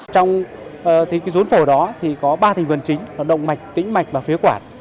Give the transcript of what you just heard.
trong cái dốn phổi đó thì có ba thành phần chính là động mạch tĩnh mạch và phía quản